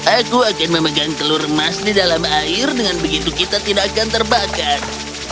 aku akan memegang telur emas di dalam air dengan begitu kita tidak akan terbakar